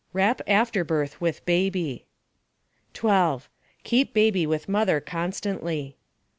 Wrap afterbirth with baby. 12. Keep baby with mother constantly.